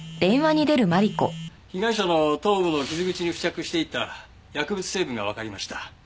被害者の頭部の傷口に付着していた薬物成分がわかりました。